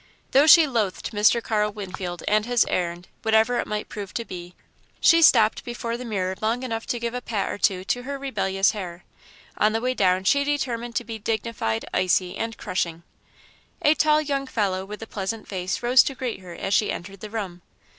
Though she loathed Mr. Carl Winfield and his errand, whatever it might prove to be, she stopped before her mirror long enough to give a pat or two to her rebellious hair. On the way down she determined to be dignified, icy, and crushing. A tall young fellow with a pleasant face rose to greet her as she entered the room.